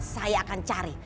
saya akan cari